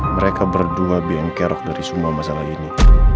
mereka berdua bieng kerok dari semua masalah ini